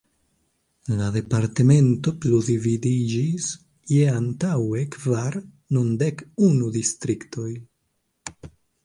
La departemento plu dividiĝis je antaŭe kvar, nun dek unu distriktoj.